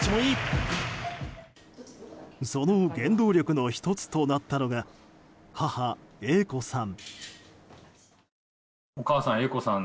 その原動力の１つとなったのが母・英子さん。